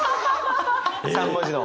３文字の？